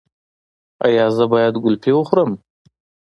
ایا زه باید ګلپي وخورم؟